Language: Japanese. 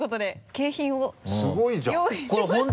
景品を用意しました。